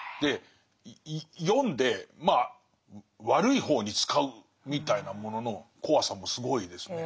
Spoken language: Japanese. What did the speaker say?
読んでまあ悪い方に使うみたいなものの怖さもすごいですね。